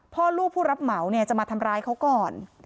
พ่อลูกผู้รับเหมาเนี่ยจะมาทำร้ายเขาก่อน